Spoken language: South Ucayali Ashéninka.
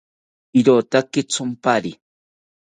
Irotaki thonpari